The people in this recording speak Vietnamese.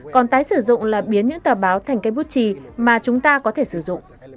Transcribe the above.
còn tái sử dụng là biến những tờ báo thành cây bút trì mà chúng ta có thể sử dụng